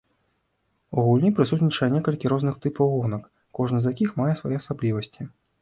У гульні прысутнічае некалькі розных тыпаў гонак, кожны з якіх мае свае асаблівасці.